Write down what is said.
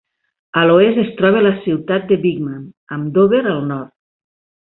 A l'oest es troba la ciutat de Beekman, amb Dover al nord.